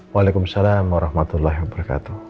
waalaikumsalam warahmatullahi wabarakatuh